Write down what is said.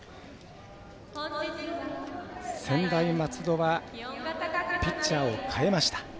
専大松戸はピッチャーを代えました。